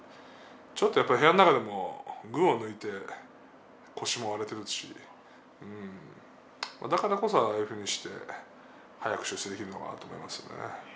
ちょっとやっぱり部屋の中でも群を抜いて腰も割れていますしだからこそ、ああいうふうにして早く出世できるのかなと思いますね。